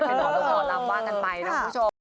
เป็นหรือขอตามว่ากันใหม่นะผู้ชม